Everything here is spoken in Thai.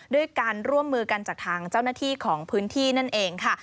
ด้วยการร่วมมือกันจากทางเจ้าหน้าที่ของพื้นที่นั่นเองค่ะ